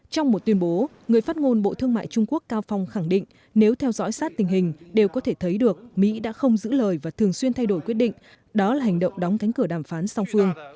trong một tuyên bố người phát ngôn bộ thương mại trung quốc cao phong khẳng định nếu theo dõi sát tình hình đều có thể thấy được mỹ đã không giữ lời và thường xuyên thay đổi quyết định đó là hành động đóng cánh cửa đàm phán song phương